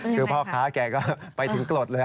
คือพ่อค้าแกก็ไปถึงกรดเลย